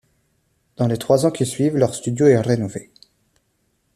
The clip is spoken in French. Dans les trois ans qui suivent, leur studio est rénové.